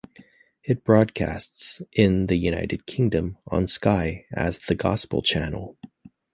It broadcasts in the United Kingdom on Sky as The Gospel Channel.